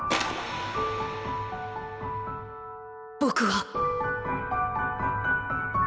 僕は